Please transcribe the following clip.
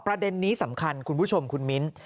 ประเด็นนี้สำคัญคุณผู้ชมคุณมิ้น